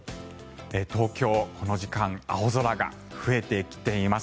東京、この時間青空が増えてきています。